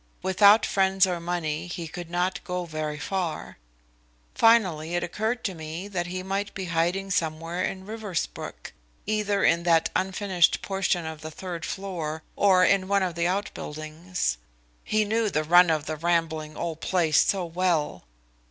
Without friends or money he could not go very far. Finally it occurred to me that he might be hiding somewhere in Riversbrook either in that unfinished portion of the third floor, or in one of the outbuildings. He knew the run of the rambling old place so well.